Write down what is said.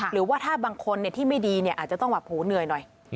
หรือว่าถ้าบางคนที่ไม่ดีอาจจะต้องแบบหูเหนื่อยหน่อย